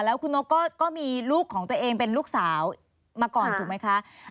แล้วคุณนกก็มีลูกของตัวเองเป็นลูกสาวมาก่อนถูกไหมคะ